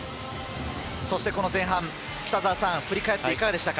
前半、北澤さん、振り返っていかがでしたか？